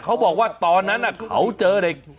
เขาบอกว่าตอนนั้นเขาเจอเด็ก